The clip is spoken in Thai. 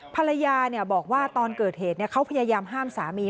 พรรยานเนี่ยบอกว่าตอนเกิดเหตุเนี่ยเขาพยายามห้ามสามี